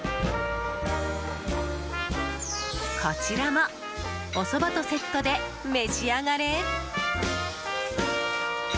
こちらも、おそばとセットで召し上がれ。